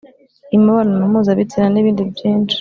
imibonano mpuzabitsina, nibindi byinshi